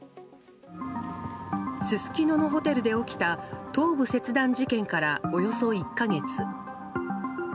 すすきののホテルで起きた頭部切断事件からおよそ１か月。